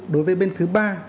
đối với bên thứ ba